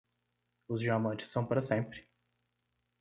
Os diamantes são para sempre.